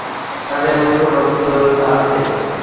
তাদের মধ্যে ভদ্রতা আছে।